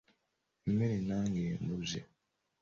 Emmere nange embuze.